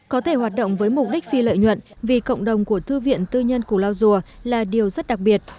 có thể hoạt động với mục đích phi lợi nhuận vì cộng đồng của thư viện tư nhân củ lao dùa là điều rất đặc biệt